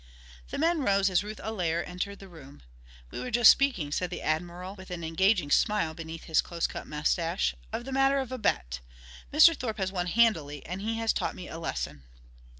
The men rose as Ruth Allaire entered the room. "We were just speaking," said the Admiral with an engaging smile beneath his close cut mustache, "of the matter of a bet. Mr. Thorpe has won handily, and he has taught me a lesson."